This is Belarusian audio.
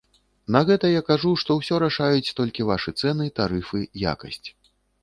На гэта я кажу, што ўсё рашаюць толькі вашы цэны, тарыфы, якасць.